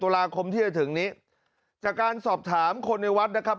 ตุลาคมที่จะถึงนี้จากการสอบถามคนในวัดนะครับ